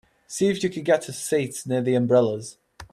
See if you can get us seats near the umbrellas.